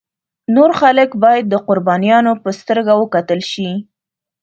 نور خلک باید د قربانیانو په سترګه وکتل شي.